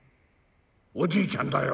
おじいちゃんだよ。